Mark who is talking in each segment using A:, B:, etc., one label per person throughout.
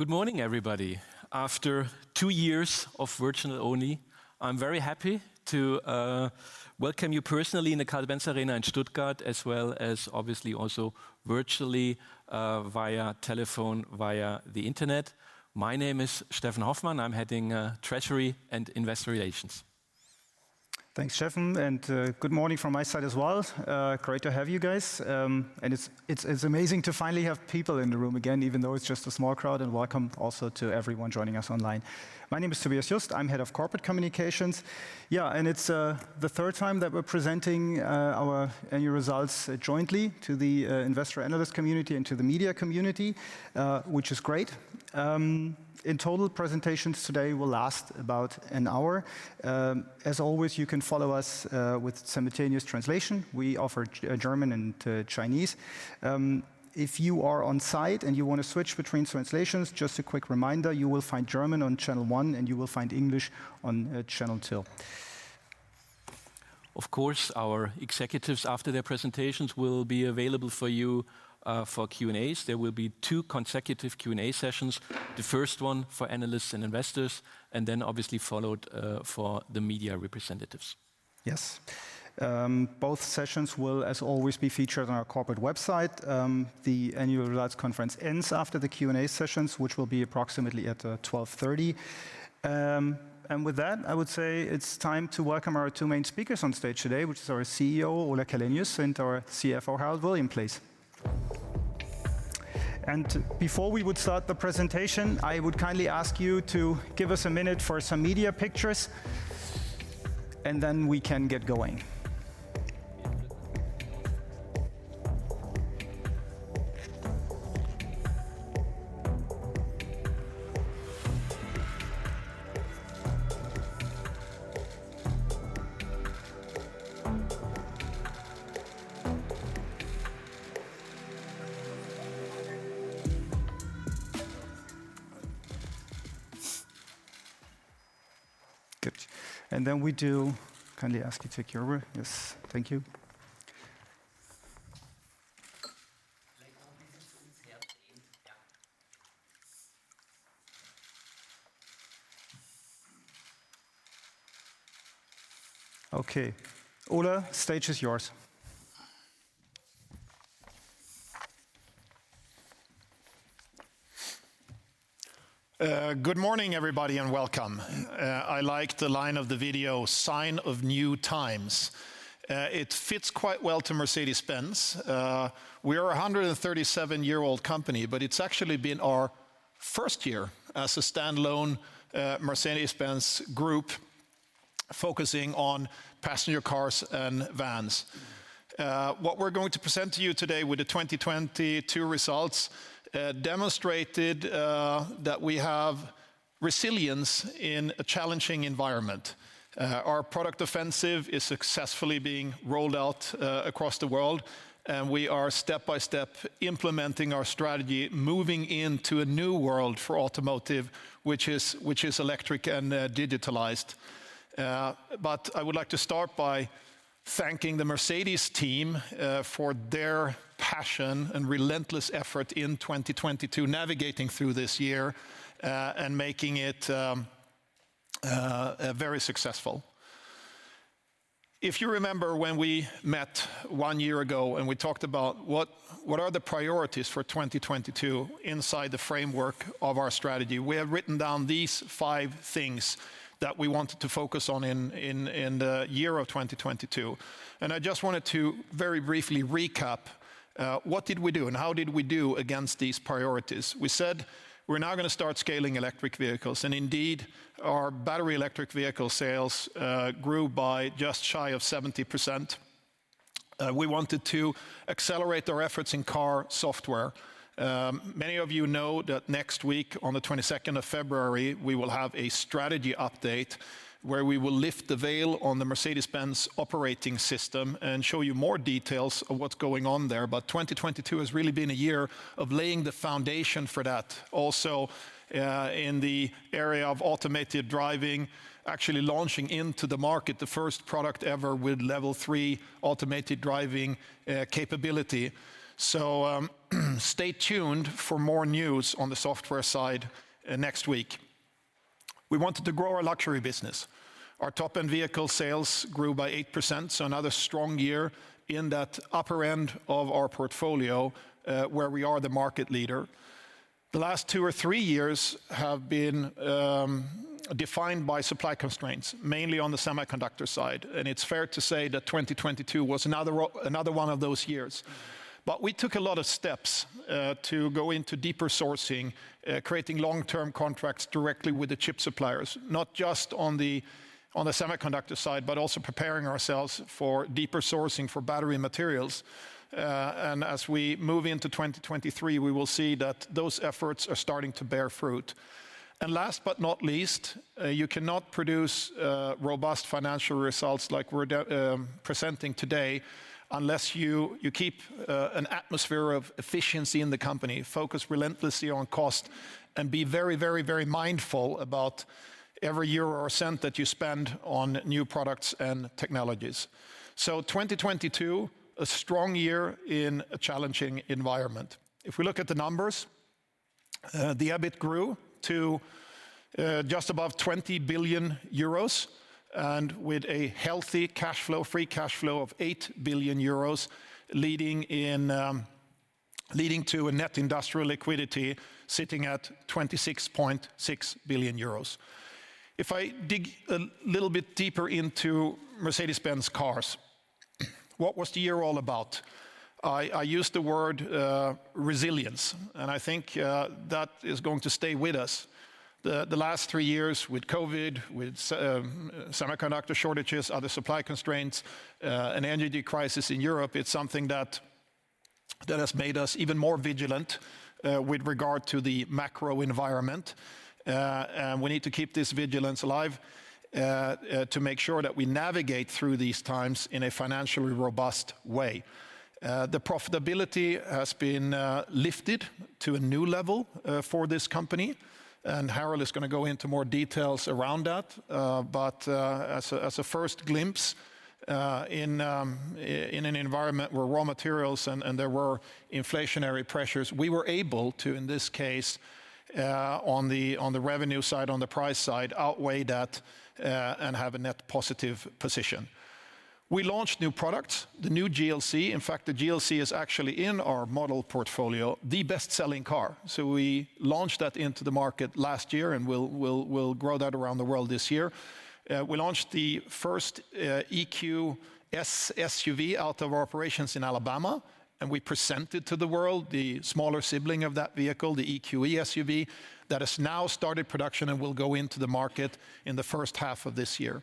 A: Good morning, everybody. After 2 years of virtual only, I'm very happy to welcome you personally in the Carl Benz Arena in Stuttgart, as well as obviously also virtually via telephone, via the Internet. My name is Steffen Hoffmann. I'm heading Treasury and Investor Relations.
B: Thanks, Steffen, good morning from my side as well. Great to have you guys. It's amazing to finally have people in the room again, even though it's just a small crowd, and welcome also to everyone joining us online. My name is Tobias Just. I'm Head of Corporate Communications. Yeah. It's the third time that we're presenting our annual results jointly to the investor analyst community and to the media community, which is great. In total, presentations today will last about 1 hour. As always, you can follow us with simultaneous translation. We offer German into Chinese. If you are on site and you wanna switch between translations, just a quick reminder, you will find German on channel one and you will find English on channel two.
A: Of course, our executives, after their presentations, will be available for you, for Q&As. There will be two consecutive Q&A sessions, the first one for analysts and investors, and then obviously followed, for the media representatives.
B: Yes. Both sessions will, as always, be featured on our corporate website. The annual results conference ends after the Q&A sessions, which will be approximately at 12:30. With that, I would say it's time to welcome our two main speakers on stage today, which is our CEO, Ola Källenius, and our CFO, Harald Wilhelm, please. Before we would start the presentation, I would kindly ask you to give us a minute for some media pictures, and then we can get going. Good. Then we do kindly ask you to take your... Yes. Thank you. Okay. Ola, stage is yours.
C: Good morning, everybody, welcome. I liked the line of the video, sign of new times. It fits quite well to Mercedes-Benz. We're a 137-year-old company, it's actually been our first year as a standalone Mercedes-Benz Group focusing on passenger cars and vans. What we're going to present to you today with the 2022 results demonstrated that we have resilience in a challenging environment. Our product offensive is successfully being rolled out across the world, and we are step-by-step implementing our strategy, moving into a new world for automotive, which is electric and digitalized. I would like to start by thanking the Mercedes team for their passion and relentless effort in 2022, navigating through this year, and making it very successful. If you remember when we met 1 year ago and we talked about what are the priorities for 2022 inside the framework of our strategy, we have written down these five things that we wanted to focus on in the year of 2022. I just wanted to very briefly recap what did we do and how did we do against these priorities. We said we're now gonna start scaling electric vehicles, and indeed, our battery electric vehicle sales grew by just shy of 70%. We wanted to accelerate our efforts in car software. Many of you know that next week, on the 22nd of February, we will have a strategy update where we will lift the veil on the Mercedes-Benz Operating System and show you more details of what's going on there. 2022 has really been a year of laying the foundation for that. Also, in the area of automated driving, actually launching into the market the first product ever with Level 3 automated driving capability. Stay tuned for more news on the software side next week. We wanted to grow our luxury business. Our Top-End vehicle sales grew by 8%, so another strong year in that upper end of our portfolio, where we are the market leader. The last 2 or 3 years have been defined by supply constraints, mainly on the semiconductor side, and it's fair to say that 2022 was another one of those years. We took a lot of steps to go into deeper sourcing, creating long-term contracts directly with the chip suppliers, not just on the semiconductor side, but also preparing ourselves for deeper sourcing for battery materials. As we move into 2023, we will see that those efforts are starting to bear fruit. Last but not least, you cannot produce robust financial results like we're presenting today unless you keep an atmosphere of efficiency in the company, focus relentlessly on cost, and be very, very, very mindful about every euro or cent that you spend on new products and technologies. 2022, a strong year in a challenging environment. If we look at the numbers, the EBIT grew to just above 20 billion euros and with a healthy cash flow, free cash flow of 8 billion euros leading to a net industrial liquidity sitting at 26.6 billion euros. If I dig a little bit deeper into Mercedes-Benz cars, what was the year all about? I use the word resilience, and I think that is going to stay with us. The last 3 years with COVID, with semiconductor shortages, other supply constraints, an energy crisis in Europe, it's something that has made us even more vigilant with regard to the macro environment. We need to keep this vigilance alive to make sure that we navigate through these times in a financially robust way. The profitability has been lifted to a new level for this company, and Harald is gonna go into more details around that. As a first glimpse, in an environment where raw materials and there were inflationary pressures, we were able to, in this case, on the revenue side, on the price side, outweigh that and have a net positive position. We launched new products, the new GLC. In fact, the GLC is actually in our model portfolio, the best-selling car. We launched that into the market last year, and we'll grow that around the world this year. We launched the first EQE SUV out of our operations in Alabama, and we presented to the world the smaller sibling of that vehicle, the EQE SUV, that has now started production and will go into the market in the first half of this year.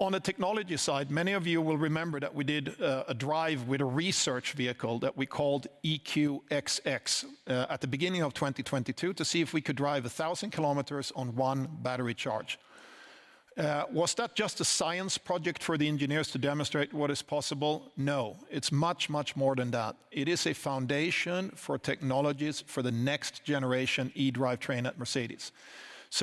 C: On the technology side, many of you will remember that we did a drive with a research vehicle that we called EQXX at the beginning of 2022 to see if we could drive 1,000 kilometers on one battery charge. Was that just a science project for the engineers to demonstrate what is possible? No, it's much, much more than that. It is a foundation for technologies for the next generation eDrive train at Mercedes.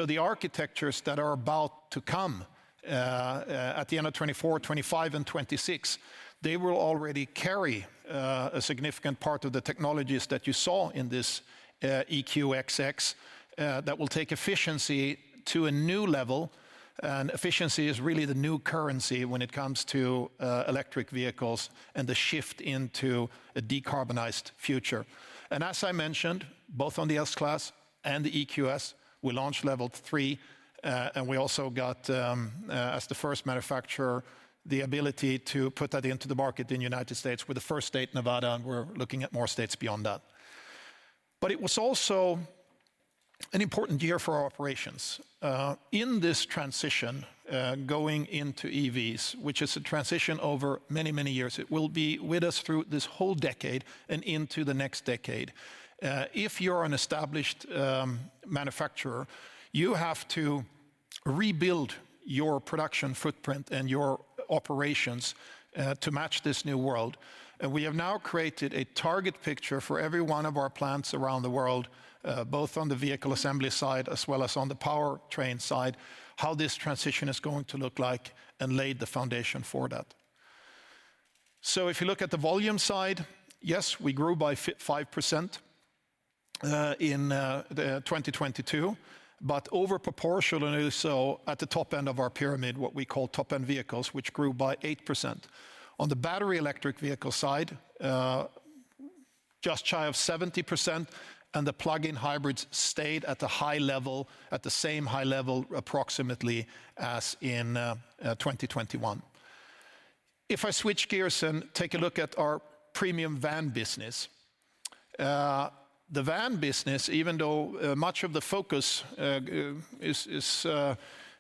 C: The architectures that are about to come, at the end of 2024, 2025 and 2026, they will already carry a significant part of the technologies that you saw in this EQXX, that will take efficiency to a new level. Efficiency is really the new currency when it comes to electric vehicles and the shift into a decarbonized future. As I mentioned, both on the S-Class and the EQS, we launched Level 3, and we also got as the first manufacturer, the ability to put that into the market in United States. We're the first state, Nevada, and we're looking at more states beyond that. It was also an important year for our operations. In this transition, going into EVs, which is a transition over many, many years. It will be with us through this whole decade and into the next decade. If you're an established manufacturer, you have to rebuild your production footprint and your operations to match this new world. We have now created a target picture for every one of our plants around the world, both on the vehicle assembly side as well as on the powertrain side, how this transition is going to look like and laid the foundation for that. If you look at the volume side, yes, we grew by 5% in 2022, but over proportionally so at the Top-End of our pyramid, what we call Top-End vehicles, which grew by 8%. On the battery electric vehicle side, just shy of 70%, and the plug-in hybrids stayed at a high level, at the same high level approximately as in 2021. If I switch gears and take a look at our premium van business. The van business, even though much of the focus is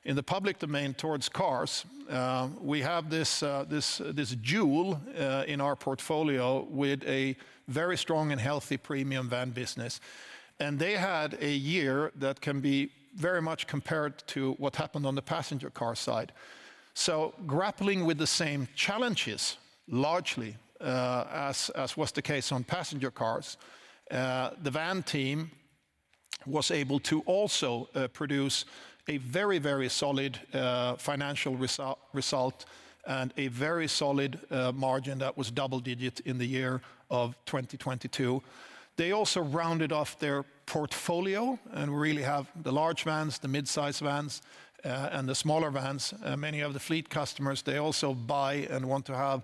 C: in the public domain towards cars, we have this jewel in our portfolio with a very strong and healthy premium van business. They had a year that can be very much compared to what happened on the passenger car side. Grappling with the same challenges, largely, as was the case on passenger cars, the van team was able to also produce a very solid financial result and a very solid margin that was double-digit in the year of 2022. They also rounded off their portfolio and really have the large vans, the mid-size vans and the smaller vans. Many of the fleet customers, they also buy and want to have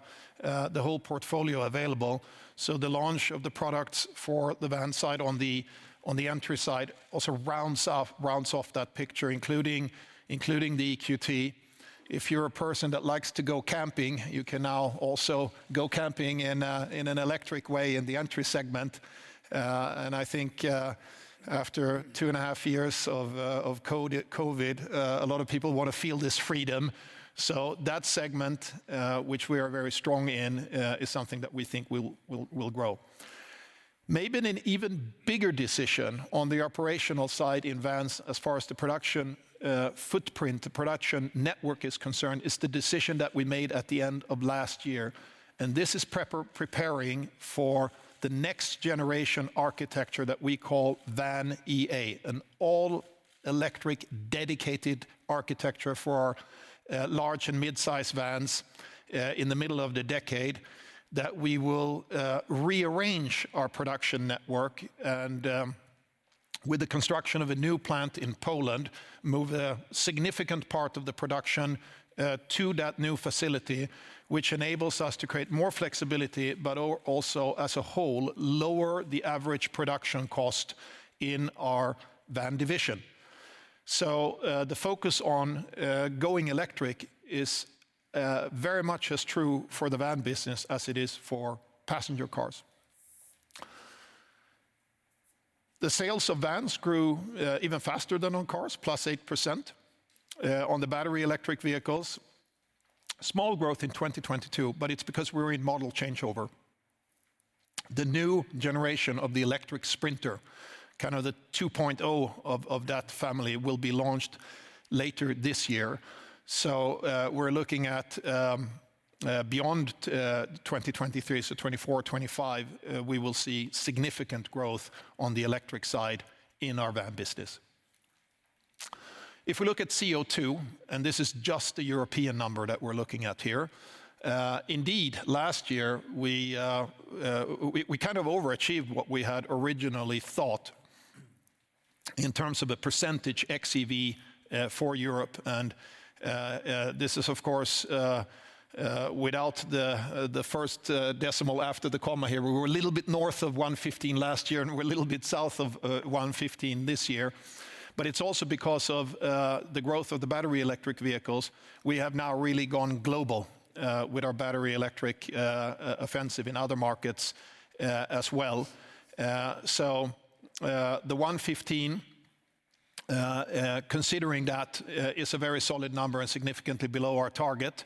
C: the whole portfolio available. The launch of the products for the van side on the, on the entry side also rounds off that picture, including the EQT. If you're a person that likes to go camping, you can now also go camping in an electric way in the entry segment. I think, after 2.5 Years of COVID, a lot of people want to feel this freedom. That segment, which we are very strong in, is something that we think will grow. Maybe an even bigger decision on the operational side in vans as far as the production, footprint, the production network is concerned, is the decision that we made at the end of last year. This is preparing for the next generation architecture that we call VAN.EA, an all-electric dedicated architecture for our large and midsize vans in the middle of the decade that we will rearrange our production network and with the construction of a new plant in Poland, move a significant part of the production to that new facility, which enables us to create more flexibility, but also, as a whole, lower the average production cost in our van division. The focus on going electric is very much as true for the van business as it is for passenger cars. The sales of vans grew even faster than on cars, +8%. On the battery electric vehicles, small growth in 2022, but it's because we're in model changeover. The new generation of the electric Sprinter, kind of the 2.0 of that family, will be launched later this year. We're looking at beyond 2023, so 2024, 2025, we will see significant growth on the electric side in our van business. If we look at CO2, this is just the European number that we're looking at here, indeed, last year we kind of overachieved what we had originally thought in terms of a % XEV for Europe. This is, of course, without the first decimal after the comma here. We were a little bit north of 115 last year, we're a little bit south of 115 this year, it's also because of the growth of the battery electric vehicles. We have now really gone global with our battery electric offensive in other markets as well. The 115, considering that, is a very solid number and significantly below our target.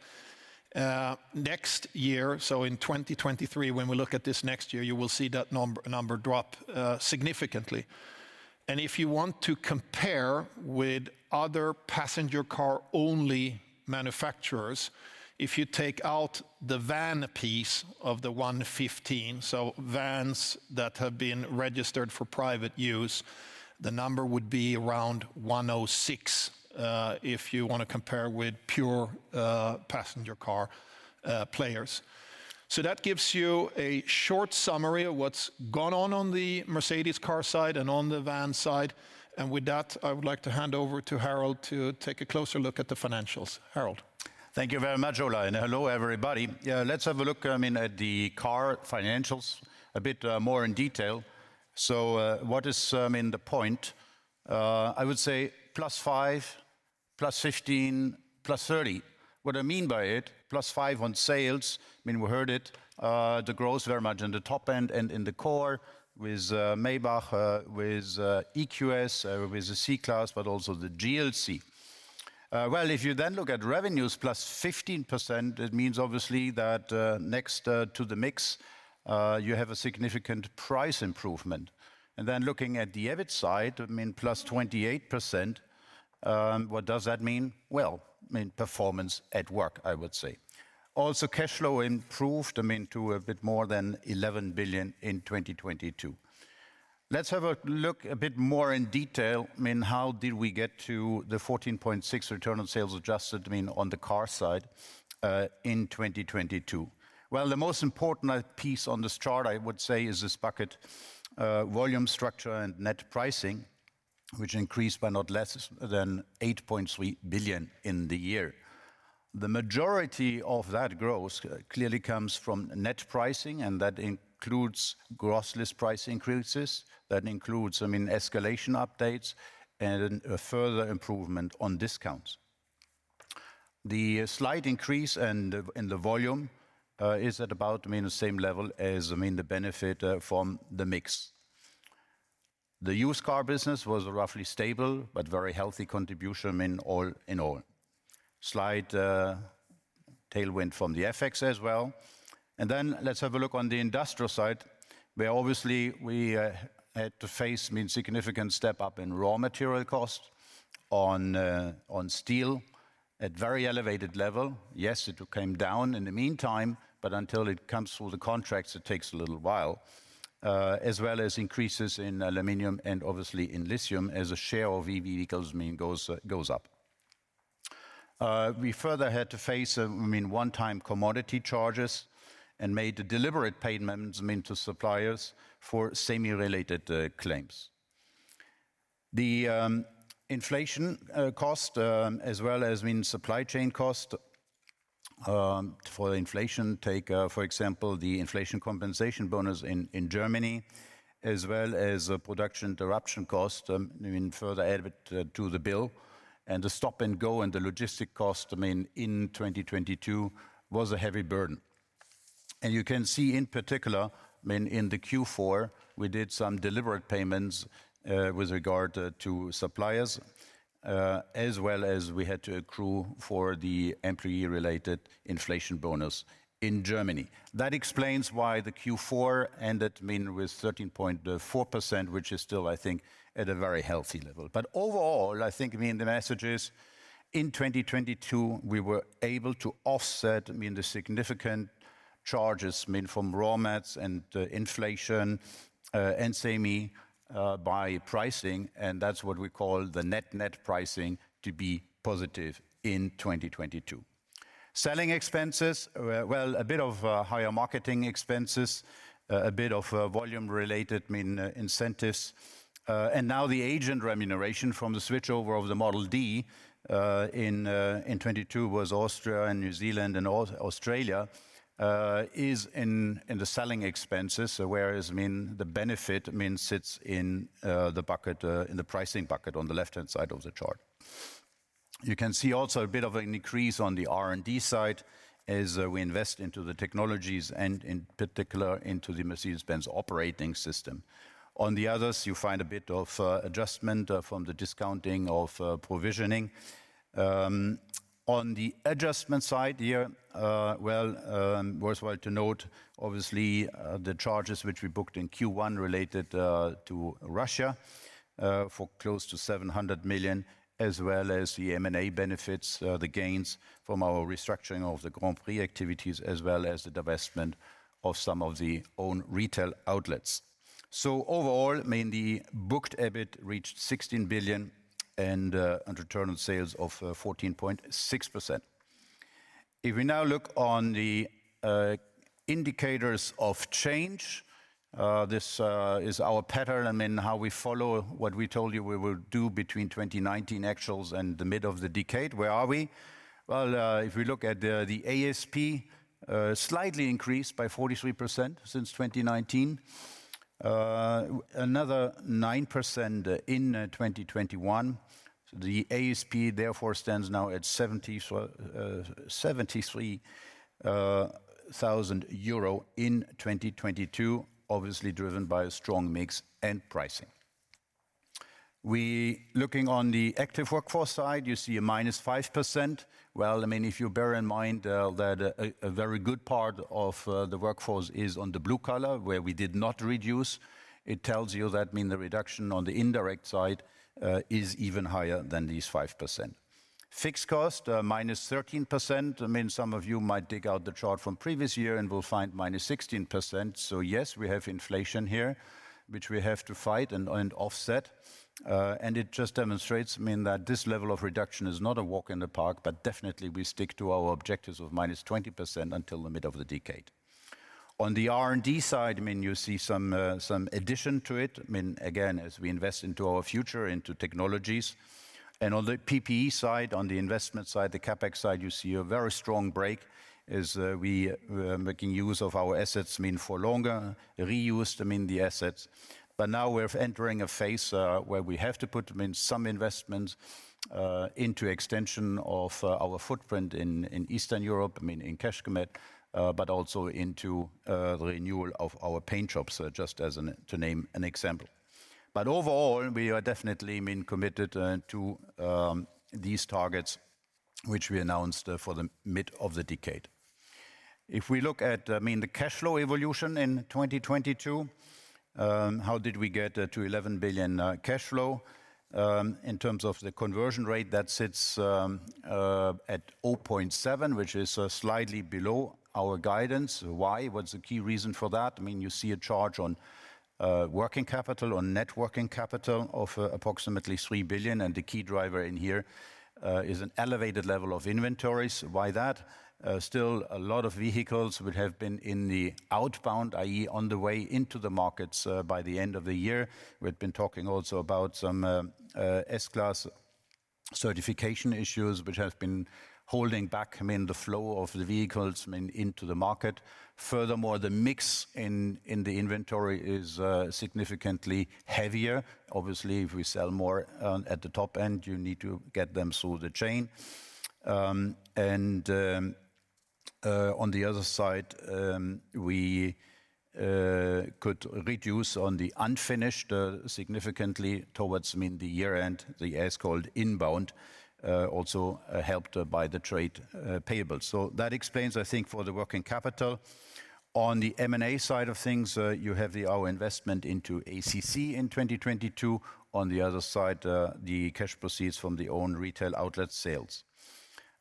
C: Next year, in 2023, when we look at this next year, you will see that number drop significantly. If you want to compare with other passenger car-only manufacturers, if you take out the van piece of the 115, so vans that have been registered for private use, the number would be around 106, if you want to compare with pure passenger car players. That gives you a short summary of what's gone on on the Mercedes car side and on the van side. With that, I would like to hand over to Harald to take a closer look at the financials. Harald.
D: Thank you very much, Ola, and hello, everybody. Let's have a look, I mean, at the car financials a bit more in detail. What is, I mean, the point? I would say +5%, +15%, +30%. What I mean by it, +5% on sales, I mean, we heard it, the growth very much in the Top-End and in the core with Maybach, with EQS, with the C-Class, but also the GLC. If you then look at revenues +15%, it means obviously that, next to the mix, you have a significant price improvement. Looking at the EBIT side, I mean, +28%, what does that mean? I mean, performance at work, I would say. Cash flow improved, I mean, to a bit more than 11 billion in 2022. Let's have a look a bit more in detail, I mean, how did we get to the 14.6% return on sales adjusted, I mean, on the car side, in 2022. Well, the most important piece on this chart, I would say, is this bucket, volume structure and net pricing, which increased by not less than 8.3 billion in the year. The majority of that growth clearly comes from net pricing, and that includes gross list price increases. That includes, I mean, escalation updates and a further improvement on discounts. The slight increase in the, in the volume, is at about, I mean, the same level as, I mean, the benefit from the mix. The used car business was roughly stable, but very healthy contribution, I mean, all in all. Slight tailwind from the FX as well. Let's have a look on the industrial side, where obviously we had to face, I mean, significant step-up in raw material costs on steel at very elevated level. Yes, it came down in the meantime, but until it comes through the contracts, it takes a little while. As well as increases in aluminum and obviously in lithium as a share of EV vehicles, I mean, goes up. We further had to face, I mean, one-time commodity charges and made deliberate payments, I mean, to suppliers for semi-related claims. The inflation cost as well as, I mean, supply chain cost for inflation. Take, for example, the inflation compensation bonus in Germany, as well as production interruption cost, I mean, further added to the bill. The stop-and-go and the logistic cost, I mean, in 2022 was a heavy burden. You can see in particular, I mean, in the Q4, we did some deliberate payments with regard to suppliers, as well as we had to accrue for the employee-related inflation bonus in Germany. That explains why the Q4 ended, I mean, with 13.4%, which is still, I think, at a very healthy level. Overall, I think, I mean, the message is in 2022, we were able to offset, I mean, the significant charges, I mean, from raw mats and inflation and semi by pricing, and that's what we call the net-net pricing to be positive in 2022. Selling expenses. Well, a bit of higher marketing expenses, a bit of volume-related, I mean, incentives. And now the agent remuneration from the switchover of the Model D in 2022 was Austria and New Zealand and Australia is in the selling expenses. Whereas, I mean, the benefit, I mean, sits in the bucket, in the pricing bucket on the left-hand side of the chart. You can see also a bit of an increase on the R&D side as we invest into the technologies and in particular into the Mercedes-Benz Operating System. On the others, you find a bit of adjustment from the discounting of provisioning. On the adjustment side here, well, worthwhile to note, obviously, the charges which we booked in Q1 related to Russia for close to 700 million, as well as the M&A benefits, the gains from our restructuring of the Grand Prix activities, as well as the divestment of some of the own retail outlets. Overall, I mean the booked EBIT reached 16 billion and return on sales of 14.6%. If we now look on the indicators of change, this is our pattern. I mean, how we follow what we told you we will do between 2019 actuals and the mid of the decade. Where are we? Well, if we look at the ASP, slightly increased by 43% since 2019. Another 9% in 2021. The ASP therefore stands now at 73,000 euro in 2022, obviously driven by a strong mix and pricing. Looking on the active workforce side, you see a -5%. Well, I mean, if you bear in mind that a very good part of the workforce is on the blue-collar, where we did not reduce, it tells you that mean the reduction on the indirect side is even higher than these 5%. Fixed cost, -13%. I mean, some of you might dig out the chart from previous year and will find -16%. Yes, we have inflation here, which we have to fight and offset. It just demonstrates, I mean, that this level of reduction is not a walk in the park, but definitely we stick to our objectives of -20% until the mid of the decade. On the R&D side, I mean, you see some addition to it. I mean, again, as we invest into our future, into technologies. On the PPE side, on the investment side, the CapEx side, you see a very strong break as we making use of our assets, I mean, for longer, reuse, I mean, the assets. Now we're entering a phase where we have to put, I mean, some investment into extension of our footprint in Eastern Europe, I mean, in Kecskemét, but also into the renewal of our paint shops, just to name an example. Overall, we are definitely, I mean, committed to these targets, which we announced for the mid of the decade. If we look at, I mean, the cash flow evolution in 2022, how did we get to 11 billion cash flow? In terms of the conversion rate, that sits at 0.7, which is slightly below our guidance. Why? What's the key reason for that? I mean, you see a charge on working capital, on net working capital of approximately 3 billion. The key driver in here is an elevated level of inventories. Why that? Still a lot of vehicles would have been in the outbound, i.e., on the way into the markets by the end of the year. We've been talking also about some S-Class certification issues, which have been holding back, I mean, the flow of the vehicles, I mean, into the market. Furthermore, the mix in the inventory is significantly heavier. Obviously, if we sell more at the Top-End, you need to get them through the chain. On the other side, we could reduce on the unfinished significantly towards, I mean, the year-end. The S called inbound also helped by the trade payables. That explains, I think, for the working capital. On the M&A side of things, you have the, our investment into ACC in 2022. On the other side, the cash proceeds from the own retail outlet sales.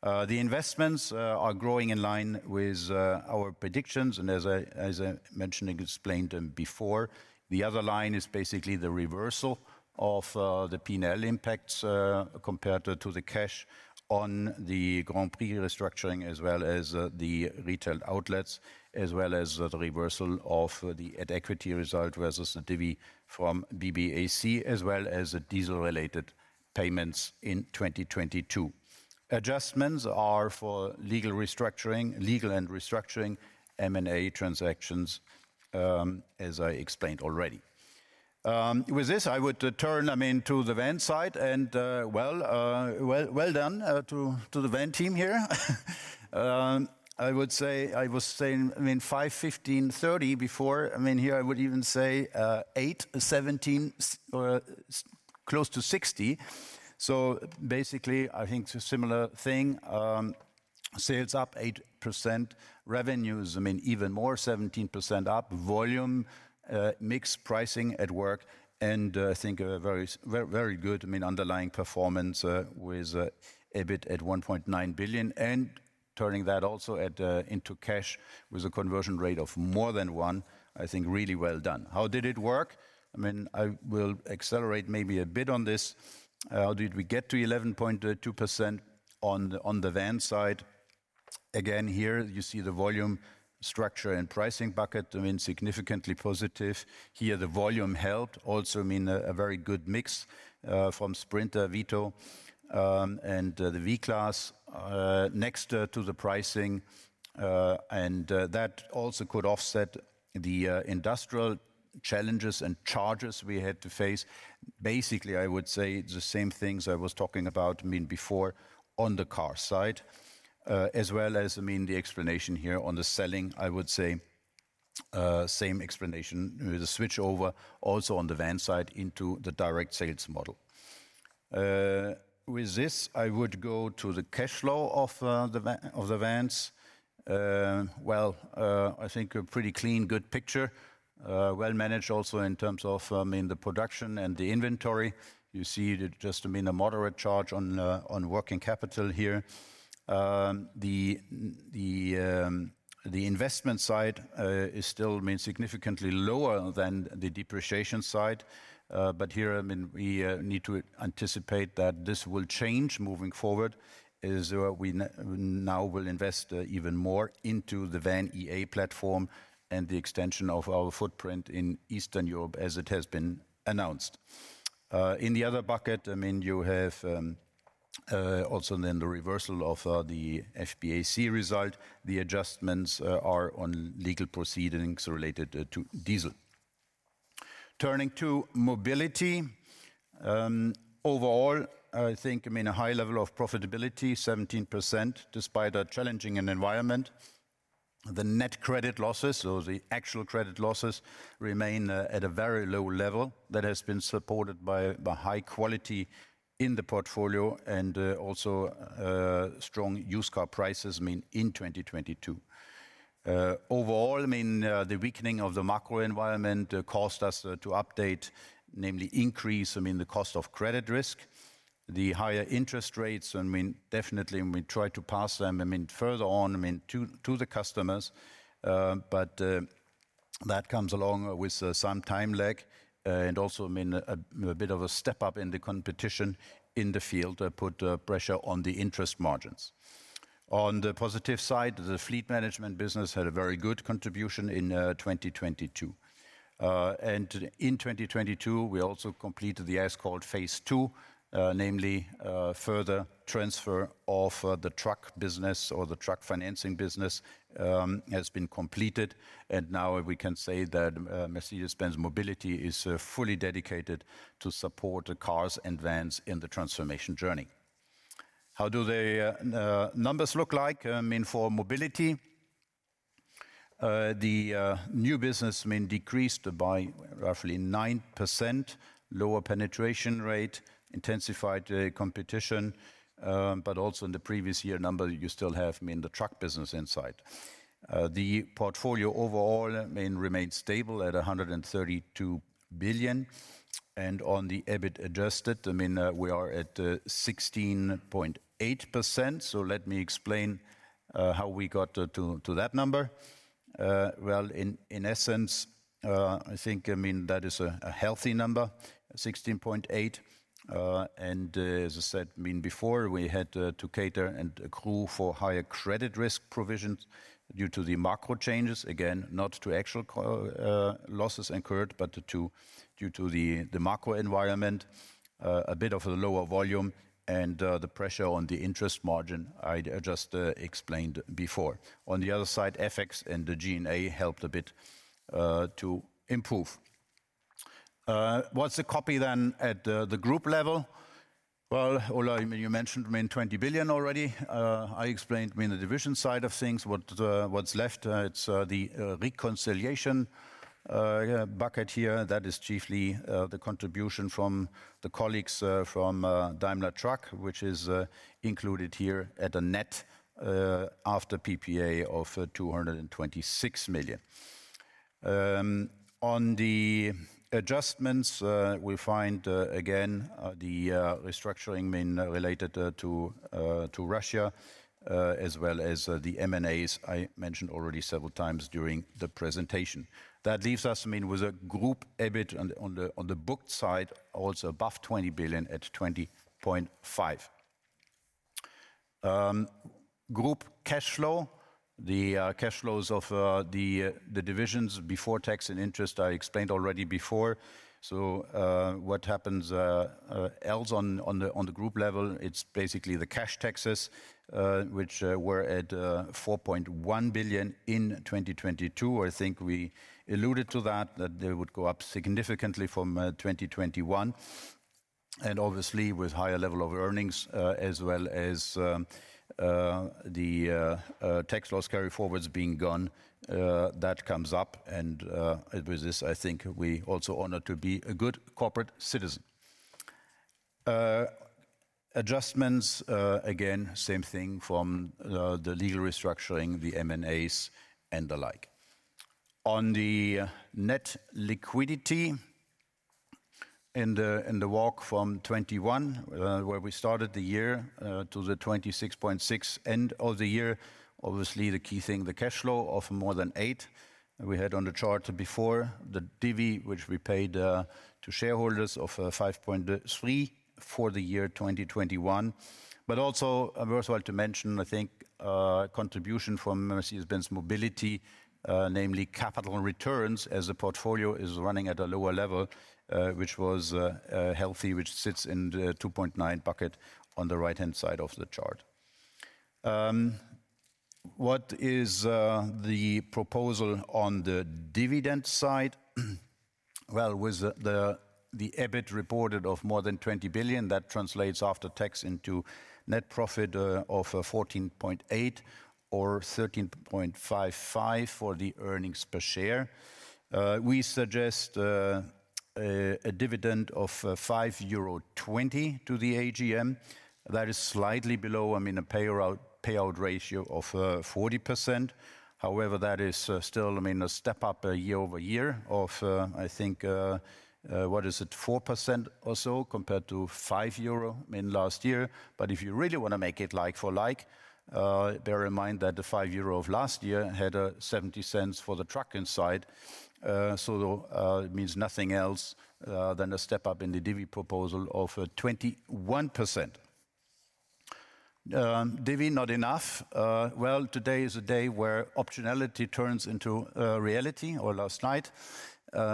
D: The investments are growing in line with our predictions. As I, as I mentioned and explained before, the other line is basically the reversal of the P&L impacts compared to the cash on the Grand Prix restructuring, as well as the retail outlets, as well as the reversal of the at equity result versus the divi from BBAC, as well as the diesel-related payments in 2022. Adjustments are for legal restructuring, legal and restructuring M&A transactions, as I explained already. With this, I would turn, I mean, to the van side. Well done to the van team here. I would say, I was saying, I mean, 5%, 15%, 30% before. Here I would even say, 8%, 17%, s- or close to 60%. Basically, I think it's a similar thing. Sales up 8%. Revenues, even more, 17% up. Volume mix pricing at work, I think a very good, I mean, underlying performance with EBIT at 1.9 billion. Turning that also into cash with a conversion rate of more than one. I think really well done. How did it work? I mean, I will accelerate maybe a bit on this. How did we get to 11.2% on the van side? Again, here you see the volume structure and pricing bucket, I mean, significantly positive. Here, the volume helped also a very good mix from Sprinter, Vito, and the V-Class next to the pricing. That also could offset the industrial challenges and charges we had to face. Basically, I would say the same things I was talking about, I mean, before on the car side. As well as, I mean, the explanation here on the selling, same explanation. The switchover also on the van side into the direct sales model. With this, I would go to the cash flow of the van, of the vans. Well, I think a pretty clean, good picture. Well managed also in terms of, I mean, the production and the inventory. You see it just, I mean, a moderate charge on working capital here. The investment side is still, I mean, significantly lower than the depreciation side. Here, I mean, we need to anticipate that this will change moving forward, as we now will invest even more into the VAN.EA platform and the extension of our footprint in Eastern Europe as it has been announced. In the other bucket, I mean, you have also then the reversal of the FBAC result. The adjustments are on legal proceedings related to diesel. Turning to mobility. Overall, I think, I mean, a high level of profitability, 17%, despite a challenging environment. The net credit losses or the actual credit losses remain at a very low level that has been supported by high quality in the portfolio and also strong used car prices, I mean, in 2022. Overall, I mean, the weakening of the macro environment caused us to update, namely increase, I mean, the cost of credit risk. The higher interest rates, I mean, definitely, and we try to pass them, I mean, further on, I mean, to the customers. That comes along with some time lag and also, I mean, a bit of a step up in the competition in the field that put pressure on the interest margins. On the positive side, the fleet management business had a very good contribution in 2022. In 2022, we also completed the as called phase two, namely, further transfer of the truck business or the truck financing business has been completed. Now we can say that Mercedes-Benz Mobility is fully dedicated to support the cars and vans in the transformation journey. How do the numbers look like, I mean, for mobility? The new business, I mean, decreased by roughly 9%, lower penetration rate, intensified competition. Also in the previous year number, you still have, I mean, the truck business inside. The portfolio overall, I mean, remained stable at 132 billion. On the EBIT adjusted, I mean, we are at 16.8%. Let me explain how we got to that number. Well, in essence, I think, I mean, that is a healthy number, 16.8%. As I said, I mean, before we had to cater and accrue for higher credit risk provisions due to the macro changes. Again, not to actual losses incurred, but to, due to the macro environment, a bit of a lower volume and the pressure on the interest margin I just explained before. On the other side, FX and the G&A helped a bit to improve. What's the copy then at the group level? Well, Ola, you mentioned, I mean, 20 billion already. I explained, I mean, the division side of things. What, what's left, it's the reconciliation bucket here. That is chiefly the contribution from the colleagues from Daimler Truck, which is included here at a net after PPA of 226 million. On the adjustments, we find again the restructuring, I mean, related to Russia, as well as the M&As I mentioned already several times during the presentation. That leaves us, I mean, with a group EBIT on the booked side, also above 20 billion at 20.5 billion. Group cash flow. The cash flows of the divisions before tax and interest, I explained already before. What happens else on the group level, it's basically the cash taxes, which were at 4.1 billion in 2022. I think we alluded to that they would go up significantly from 2021. Obviously, with higher level of earnings, as well as the tax loss carry forwards being gone, that comes up. With this, I think we also honor to be a good corporate citizen. Adjustments again, same thing from the legal restructuring, the M&As, and the like. On the net liquidity in the walk from 2021, where we started the year to the 26.6 end of the year. Obviously, the key thing, the cash flow of more than 8 we had on the chart before. The divi, which we paid to shareholders of 5.3. For the year 2021. Also, worthwhile to mention, I think, contribution from Mercedes-Benz Mobility, namely capital returns as the portfolio is running at a lower level, which was healthy, which sits in the 2.9 bucket on the right-hand side of the chart. What is the proposal on the dividend side? With the EBIT reported of more than 20 billion, that translates after tax into net profit of 14.8 or 13.55 for the earnings per share. We suggest a dividend of 5.20 euro to the AGM. That is slightly below, I mean, a payout ratio of 40%. That is still, I mean, a step up year-over-year of I think, what is it? 4% or so compared to 5 euro in last year. If you really wanna make it like for like, bear in mind that the 5 euro of last year had 0.70 for the truck inside. It means nothing else than a step up in the divi proposal of 21%. Divi not enough. Well, today is a day where optionality turns into reality or last night.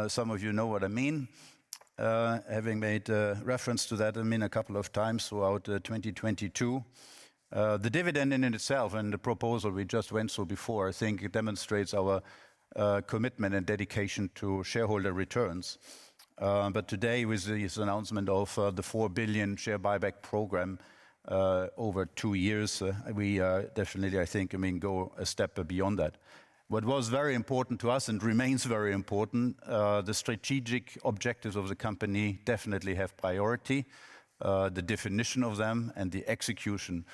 D: Some of you know what I mean, having made a reference to that, I mean, a couple of times throughout 2022. The dividend in and itself and the proposal we just went through before I think it demonstrates our commitment and dedication to shareholder returns. Today with this announcement of the 4 billion share buyback program, over 2 years, we definitely, I think, I mean, go a step beyond that. What was very important to us and remains very important, the strategic objectives of the company definitely have priority, the definition of them and the execution.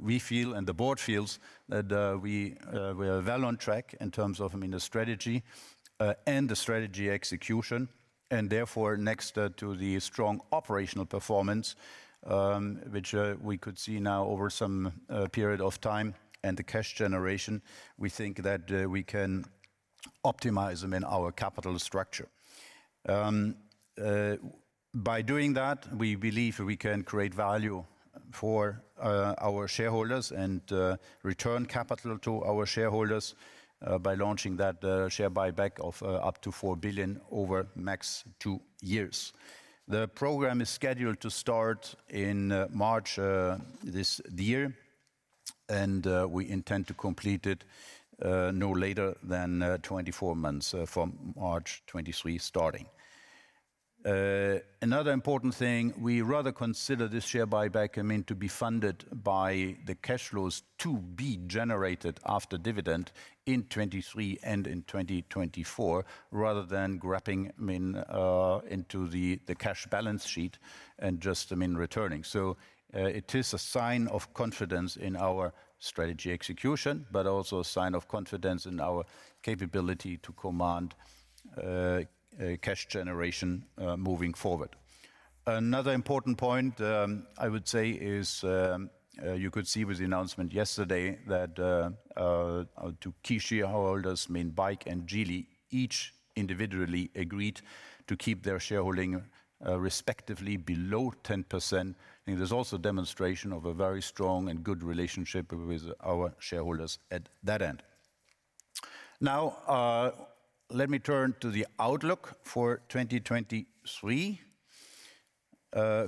D: We feel and the board feels that we are well on track in terms of, I mean, the strategy and the strategy execution, and therefore next to the strong operational performance, which we could see now over some period of time and the cash generation, we think that we can optimize them in our capital structure. By doing that, we believe we can create value for our shareholders and return capital to our shareholders by launching that share buyback of up to 4 billion over max 2 years. The program is scheduled to start in March, this, the year, and we intend to complete it no later than 24 months from March 2023 starting. Another important thing, we rather consider this share buyback, I mean, to be funded by the cash flows to be generated after dividend in 2023 and in 2024, rather than grabbing, I mean, into the cash balance sheet and just, I mean, returning. It is a sign of confidence in our strategy execution, but also a sign of confidence in our capability to command a cash generation moving forward. Another important point, I would say is, you could see with the announcement yesterday that two key shareholders, I mean, BAIC and Geely, each individually agreed to keep their shareholding respectively below 10%. There's also demonstration of a very strong and good relationship with our shareholders at that end. Now, let me turn to the outlook for 2023.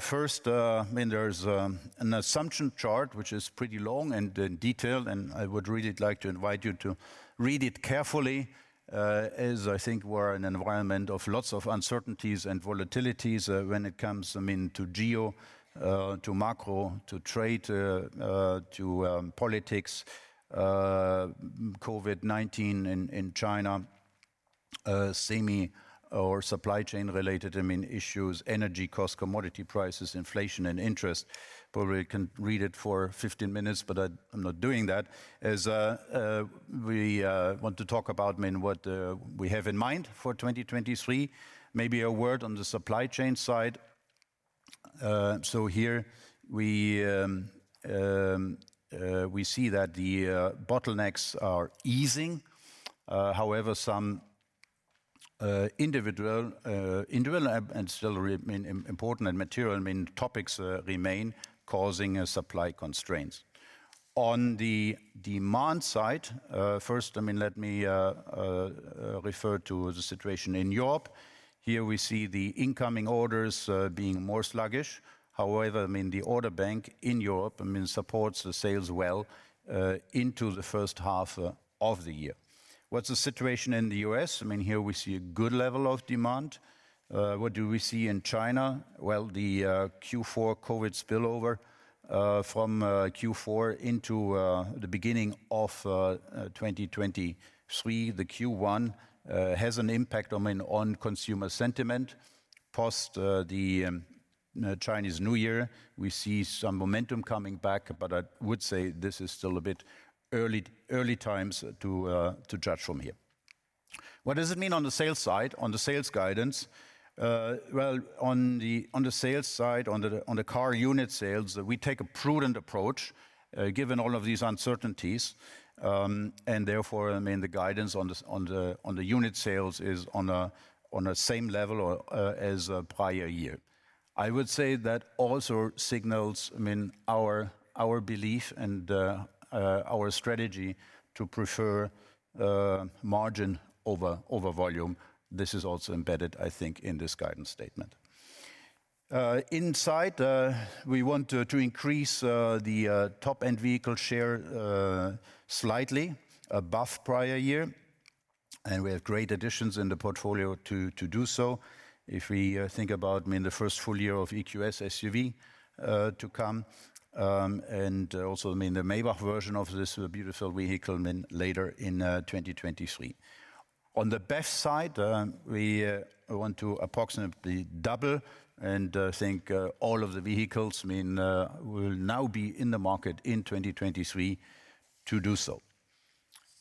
D: First, I mean, there's an assumption chart which is pretty long and in detail, and I would really like to invite you to read it carefully, as I think we're in an environment of lots of uncertainties and volatilities, when it comes, I mean, to geo, to macro, to trade, to politics, COVID-19 in China, semi or supply chain related, I mean, issues, energy cost, commodity prices, inflation and interest. Probably can read it for 15 minutes, but I'm not doing that, as we want to talk about, I mean, what we have in mind for 2023. Maybe a word on the supply chain side. Here we see that the bottlenecks are easing. However, some individual and still important and material topics remain causing supply constraints. On the demand side, first, I mean, let me refer to the situation in Europe. Here we see the incoming orders being more sluggish. However, I mean, the order bank in Europe, I mean, supports the sales well into the first half of the year. What's the situation in the U.S.? I mean, here we see a good level of demand. What do we see in China. Well, the Q4 COVID spillover from Q4 into the beginning of 2023, the Q1, has an impact, I mean, on consumer sentiment. Post the Chinese New Year, we see some momentum coming back, but I would say this is still a bit early times to judge from here. What does it mean on the sales side, on the sales guidance? Well, on the sales side, on the car unit sales, we take a prudent approach given all of these uncertainties. Therefore, I mean, the guidance on the unit sales is on a same level or as prior year. I would say that also signals, I mean, our belief and our strategy to prefer margin over volume. This is also embedded, I think, in this guidance statement. Inside, we want to increase the Top-End vehicle share slightly above prior year, and we have great additions in the portfolio to do so. If we think about, I mean, the first full year of EQS SUV to come, and also, I mean, the Maybach version of this beautiful vehicle, I mean, later in 2023. On the BEV side, we want to approximately double and think all of the vehicles, I mean, will now be in the market in 2023 to do so.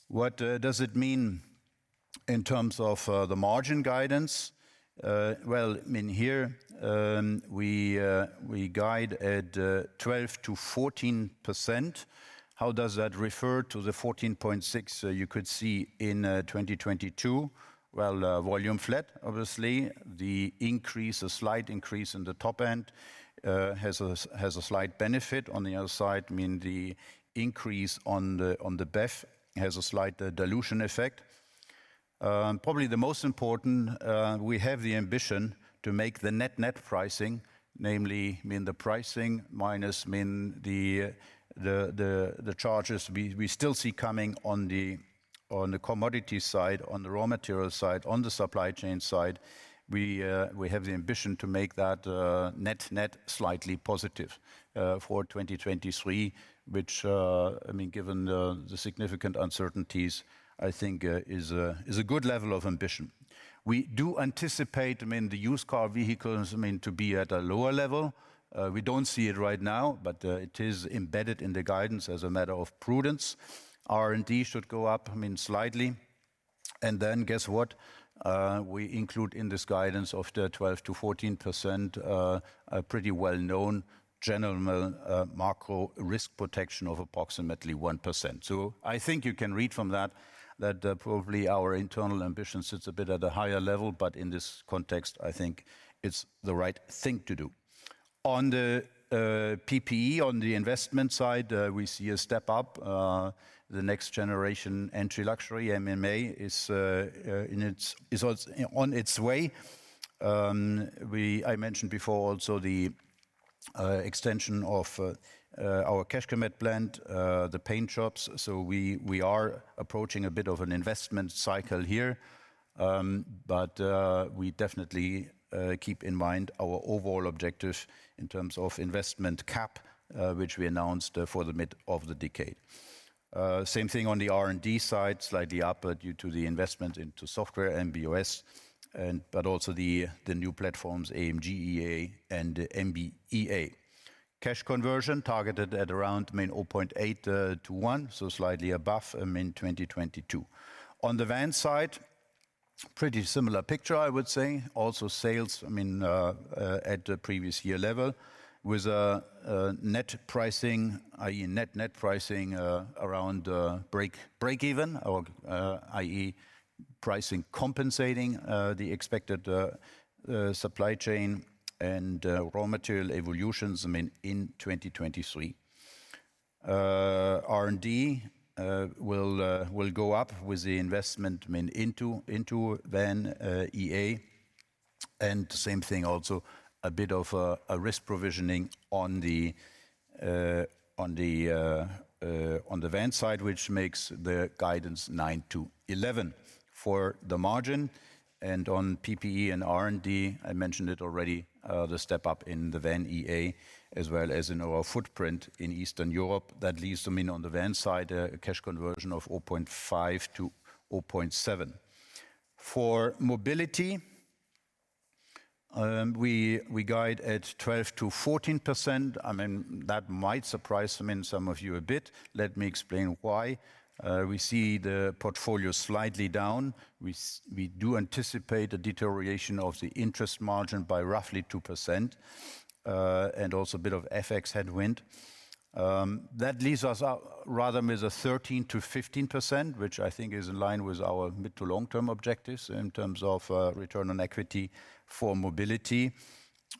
D: What does it mean in terms of the margin guidance? Well, I mean, here, we guide at 12%-14%. How does that refer to the 14.6 you could see in 2022? Well, volume flat, obviously. The slight increase in the Top-End has a slight benefit. On the other side, I mean, the increase on the BEV has a slight dilution effect. Probably the most important, we have the ambition to make the net-net pricing, namely, I mean, the pricing minus, I mean, the charges we still see coming on the commodity side, on the raw material side, on the supply chain side. We have the ambition to make that net-net slightly positive for 2023, which, I mean, given the significant uncertainties, I think, is a good level of ambition. We do anticipate the used car vehicles to be at a lower level. We don't see it right now, it is embedded in the guidance as a matter of prudence. R&D should go up slightly. Guess what? We include in this guidance of the 12%-14%, a pretty well-known general macro risk protection of approximately 1%. I think you can read from that probably our internal ambition sits a bit at a higher level, but in this context, I think it's the right thing to do. On the PPE, on the investment side, we see a step-up. The next generation entry luxury MMA is on its way. I mentioned before also the extension of our Kecskemét plant, the paint shops. We are approaching a bit of an investment cycle here. But we definitely keep in mind our overall objective in terms of investment CapEx, which we announced for the mid of the decade. Same thing on the R&D side, slightly up, due to the investment into software, MB.OS, but also the new platforms, AMG.EA and MB.EA. Cash conversion targeted at around, I mean, 0.8-1, slightly above, I mean, 2022. On the Van side, pretty similar picture, I would say. Sales, I mean, at the previous year level, with a net pricing, i.e., net-net pricing, around break even or, i.e., pricing compensating the expected supply chain and raw material evolutions, I mean, in 2023. R&D will go up with the investment, I mean, into VanEA. Same thing also, a bit of a risk provisioning on the on the on the Van side, which makes the guidance 9-11 for the margin. On PPE and R&D, I mentioned it already, the step-up in the VanEA, as well as in our footprint in Eastern Europe. That leaves, I mean, on the Van side, a cash conversion of 0.5-0.7. For mobility, we guide at 12%-14%. I mean, that might surprise, I mean, some of you a bit. Let me explain why. We see the portfolio slightly down. We do anticipate a deterioration of the interest margin by roughly 2%, and also a bit of FX headwind. That leaves us rather with a 13%-15%, which I think is in line with our mid to long-term objectives in terms of return on equity for mobility.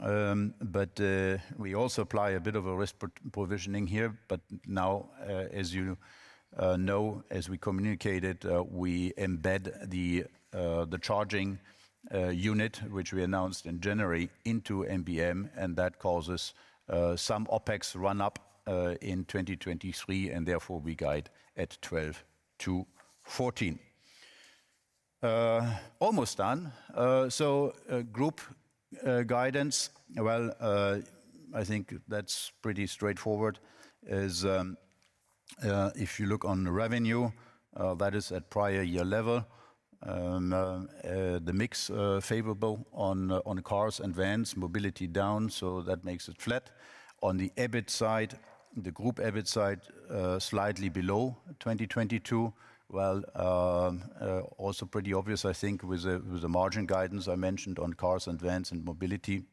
D: We also apply a bit of a risk provisioning here. Now, as you know, as we communicated, we embed the charging unit, which we announced in January, into MBM, and that causes some OpEx run up in 2023, and therefore we guide at 12%-14%. Almost done. Group guidance. Well, I think that's pretty straightforward, is, if you look on the revenue, that is at prior year level. The mix, favorable on cars and vans, mobility down, so that makes it flat. On the EBIT side, the group EBIT side, slightly below 2022. Well, also pretty obvious, I think, with the margin guidance I mentioned on cars and vans and mobility.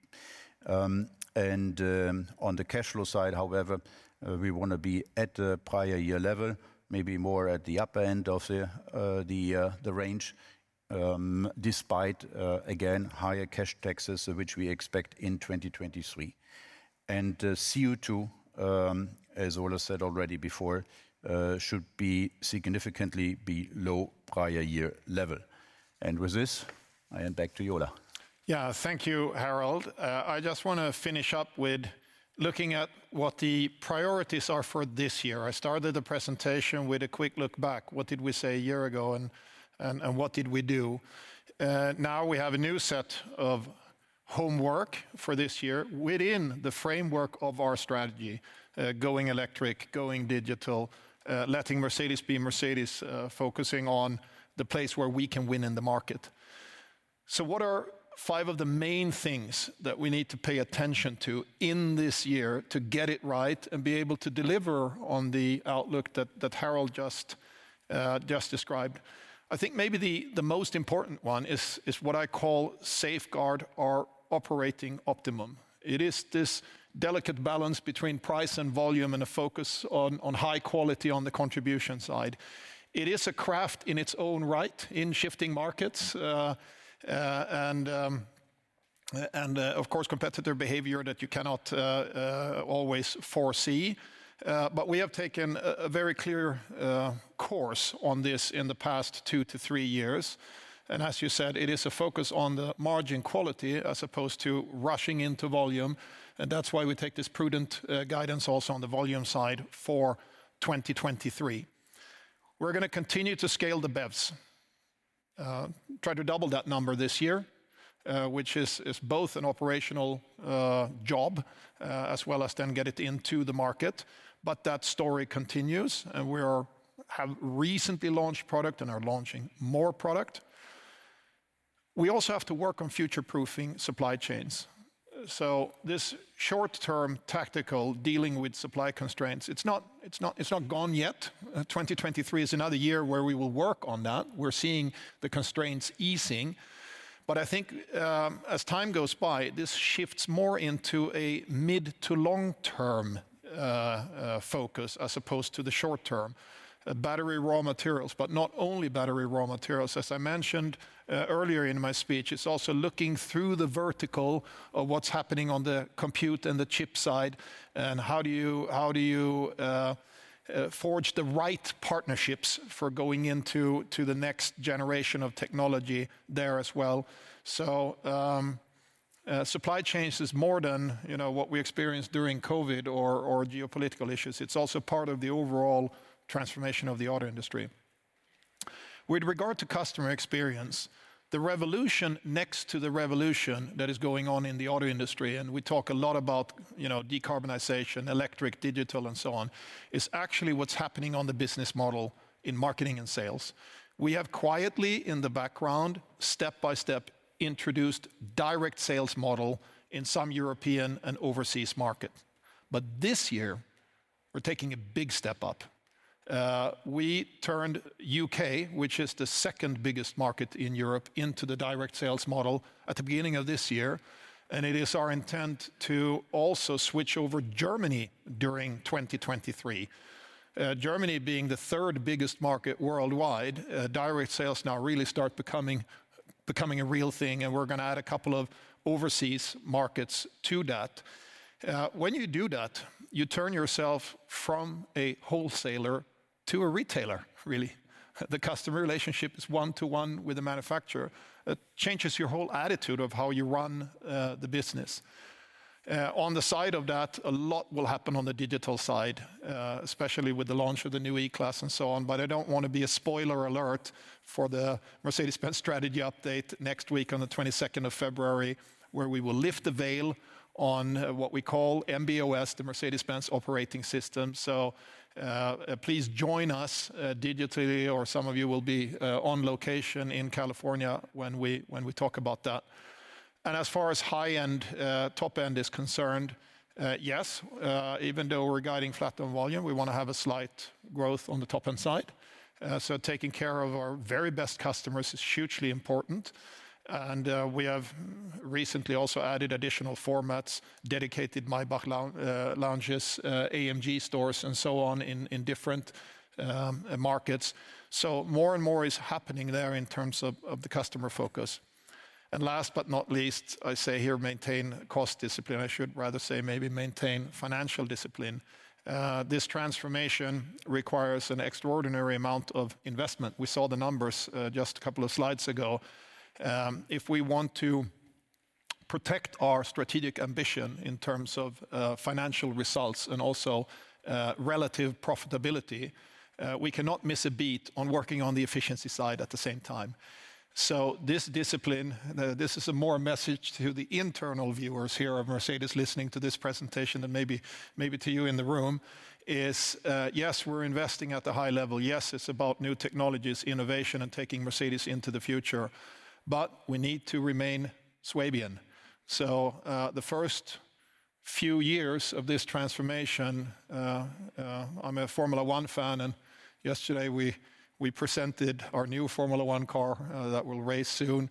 D: On the cash flow side, however, we wanna be at the prior year level, maybe more at the upper end of the range, despite again, higher cash taxes, which we expect in 2023. CO2, as Ola said already before, should be significantly be low prior year level. With this, I hand back to Ola.
C: Thank you, Harald. I just wanna finish up with looking at what the priorities are for this year. I started the presentation with a quick look back. What did we say a year ago and what did we do? Now we have a new set of homework for this year within the framework of our strategy, going electric, going digital, letting Mercedes be Mercedes, focusing on the place where we can win in the market. What are five of the main things that we need to pay attention to in this year to get it right and be able to deliver on the outlook that Harald just described? I think maybe the most important one is what I call safeguard our operating optimum. It is this delicate balance between price and volume and a focus on high quality on the contribution side. It is a craft in its own right in shifting markets and of course, competitor behavior that you cannot always foresee. We have taken a very clear course on this in the past 2 years-3 years, and as you said, it is a focus on the margin quality as opposed to rushing into volume, and that's why we take this prudent guidance also on the volume side for 2023. We're gonna continue to scale the BEVs. Try to double that number this year, which is both an operational job as well as then get it into the market, but that story continues, and we are. Have recently launched product and are launching more product. We also have to work on future-proofing supply chains. This short-term tactical dealing with supply constraints, it's not gone yet. 2023 is another year where we will work on that. We're seeing the constraints easing. I think, as time goes by, this shifts more into a mid to long-term focus as opposed to the short term. Battery raw materials, but not only battery raw materials, as I mentioned earlier in my speech, it's also looking through the vertical of what's happening on the compute and the chip side and how do you forge the right partnerships for going into the next generation of technology there as well. Supply chains is more than, you know, what we experienced during COVID-19 or geopolitical issues. It's also part of the overall transformation of the auto industry. With regard to customer experience, the revolution next to the revolution that is going on in the auto industry, and we talk a lot about, you know, decarbonization, electric, digital, and so on, is actually what's happening on the business model in marketing and sales. We have quietly, in the background, step-by-step, introduced direct sales model in some European and overseas markets. This year, we're taking a big step up. We turned U.K., which is the second-biggest market in Europe, into the direct sales model at the beginning of this year, and it is our intent to also switch over Germany during 2023. Germany being the third-biggest market worldwide, direct sales now really start becoming a real thing, and we're gonna add a couple of overseas markets to that. When you do that, you turn yourself from a wholesaler to a retailer, really. The customer relationship is one-to-one with the manufacturer. It changes your whole attitude of how you run the business. On the side of that, a lot will happen on the digital side, especially with the launch of the new E-Class and so on, but I don't wanna be a spoiler alert for the Mercedes-Benz strategy update next week on the 22nd of February, where we will lift the veil on what we call MB.OS, the Mercedes-Benz Operating System. Please join us digitally, or some of you will be on location in California when we talk about that. As far as high-end, Top-End is concerned, yes, even though we're guiding flat on volume, we wanna have a slight growth on the Top-End side. Taking care of our very best customers is hugely important. We have recently also added additional formats, dedicated Mercedes-Maybach lounges, Mercedes-AMG stores, and so on in different markets. More and more is happening there in terms of the customer focus. Last but not least, I say here maintain cost discipline. I should rather say maybe maintain financial discipline. This transformation requires an extraordinary amount of investment. We saw the numbers just a couple of slides ago. If we want to protect our strategic ambition in terms of financial results and also relative profitability, we cannot miss a beat on working on the efficiency side at the same time. This discipline, this is a more message to the internal viewers here of Mercedes listening to this presentation than maybe to you in the room, is, yes, we're investing at the high level. Yes, it's about new technologies, innovation, and taking Mercedes into the future. We need to remain Swabian. The first few years of this transformation, I'm a Formula One fan, and yesterday we presented our new Formula One car that will race soon.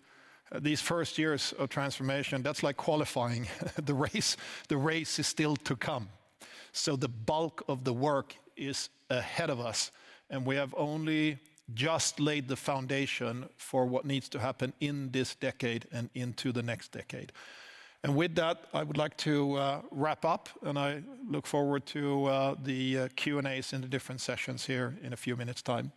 C: These first years of transformation, that's like qualifying. The race is still to come. The bulk of the work is ahead of us, and we have only just laid the foundation for what needs to happen in this decade and into the next decade. With that, I would like to wrap up, and I look forward to the Q&As in the different sessions here in a few minutes' time.